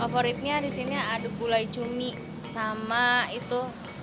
favoritnya disini ada gulai cumi sama itu